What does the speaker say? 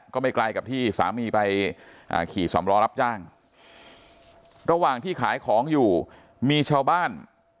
ก็ไม่ไกลกับที่สามีไปขี่สำรอรับจ้างระหว่างที่ขายของอยู่มีชาวบ้าน